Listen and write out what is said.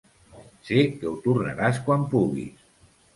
Sé que ho tornaràs quan puguis.